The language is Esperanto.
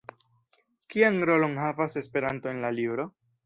Kian rolon havas Esperanto en la libro?